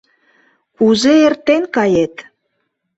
Кузе эртен кает?